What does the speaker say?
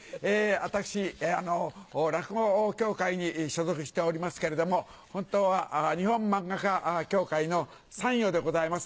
私落語協会に所属しておりますけれども本当は日本漫画家協会の参与でございます。